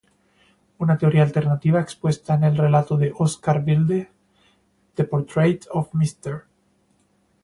Una teoría alternativa, expuesta en el relato de Óscar Wilde "The Portrait of Mr.